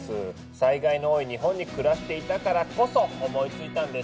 災害の多い日本に暮らしていたからこそ思いついたんですね。